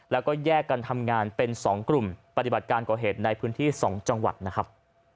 แล้วก็แยกกันทำงานเป็น๒กลุ่มปฏิบัติการก่อเหตุในพื้นที่๒จังหวัดนะครับ